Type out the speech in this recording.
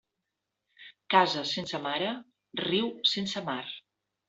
Casa sense mare, riu sense mar.